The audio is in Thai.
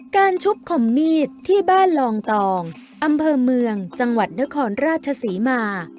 ชุบคมมีดที่บ้านลองตองอำเภอเมืองจังหวัดนครราชศรีมา